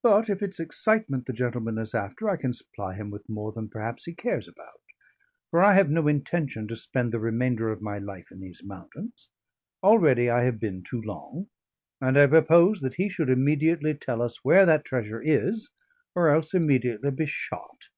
But if it's excitement the gentleman is after, I can supply him with more than perhaps he cares about. For I have no intention to spend the remainder of my life in these mountains; already I have been too long; and I propose that he should immediately tell us where that treasure is, or else immediately be shot.